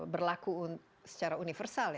berlaku secara universal